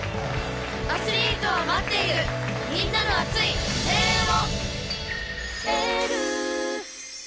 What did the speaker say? アスリートは待っているみんなの熱い声援を！